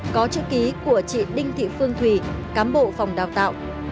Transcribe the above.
có chữ ký của chị đinh thị phương thùy cám bộ phòng đào tạo